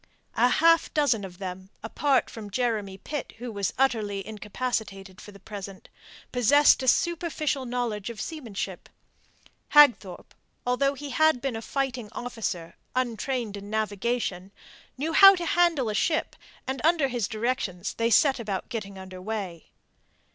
A half dozen of them, apart from Jeremy Pitt, who was utterly incapacitated for the present, possessed a superficial knowledge of seamanship. Hagthorpe, although he had been a fighting officer, untrained in navigation, knew how to handle a ship, and under his directions they set about getting under way.